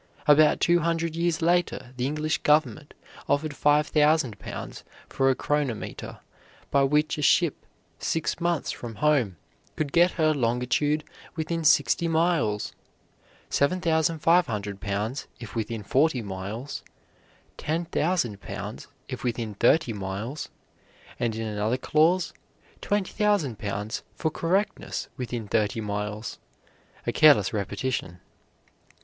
About two hundred years later the English government offered 5,000 pounds for a chronometer by which a ship six months from home could get her longitude within sixty miles; 7,500 pounds if within forty miles; 10,000 pounds if within thirty miles; and in another clause 20,000 pounds for correctness within thirty miles, a careless repetition.